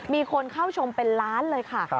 มีคนเข้าชมเป็นล้านเลยค่ะ